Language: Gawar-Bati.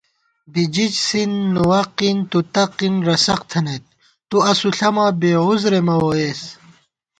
بِجِجۡسީ، نُوَقީ، تُتَقީ، رَسَقۡ تھنَئیت، تُو اسُو ݪَمہ بےعذرے مہ ووئیس